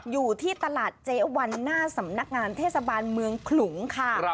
อยู่ที่ตลาดเจ๊วันหน้าสำนักงานเทศบาลเมืองขลุงค่ะ